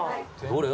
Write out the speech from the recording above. どれ？